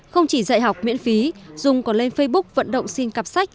không chỉ dạy học miễn phí dung còn lên facebook vận động xin cặp sách